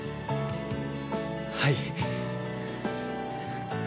はい。